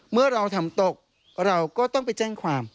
เมื่อเราทำตกเราก็ต้องไปแจ้งความ